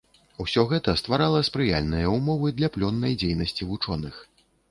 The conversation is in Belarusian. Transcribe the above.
Усё гэта стварала спрыяльныя ўмовы для плённай дзейнасці вучоных.